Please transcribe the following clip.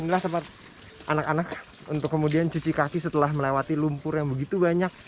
inilah tempat anak anak untuk kemudian cuci kaki setelah melewati lumpur yang begitu banyak